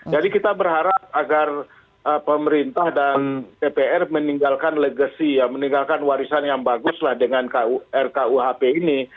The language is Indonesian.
jadi kita berharap agar pemerintah dan dpr meninggalkan legacy ya meninggalkan warisan yang baguslah dengan rkuhp ini